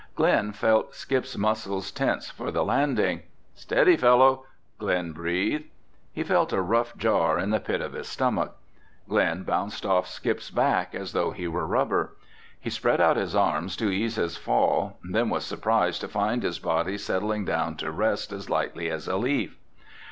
Glen felt Skip's muscles tense for the landing. "Steady, fellow!" Glen breathed. He felt a rough jar in the pit of his stomach. Glen bounced off Skip's back as though he were rubber. He spread out his arms to ease his fall, then was surprised to find his body settling down to rest as lightly as a leaf.